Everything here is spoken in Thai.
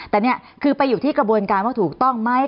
แต่นี่คือไปอยู่ที่กระบวนการว่าถูกต้องไหม